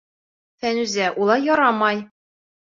Фәнүзә, улай ярамай...